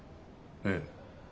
ええ。